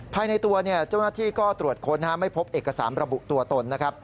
ภายในตัวเจ้าหน้าที่ก็ตรวจค้นไม่พบเอกสารระบุตัวตนนะครับ